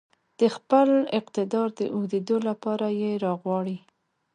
د خپل اقتدار د اوږدېدو لپاره يې راغواړي.